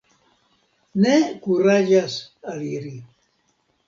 Ne kuraĝas aliri.